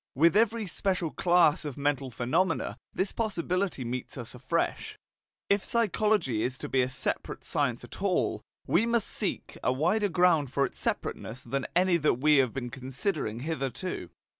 With every special class of mental phenomena this possibility meets us afresh. If psychology is to be a separate science at all, we must seek a wider ground for its separateness than any that we have been considering hitherto.